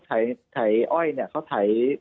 ไถ้อ้อยเนี่ยเขาไถ้